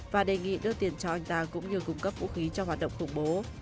và đề nghị đưa tiền cho anh ta cũng như cung cấp vũ khí cho hoạt động khủng bố